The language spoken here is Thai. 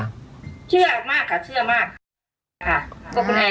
เชื่อมากค่ะเชื่อมากค่ะ